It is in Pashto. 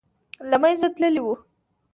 له منځه تللی وو.